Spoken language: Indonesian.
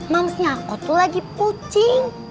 mamsnya aku tuh lagi pucing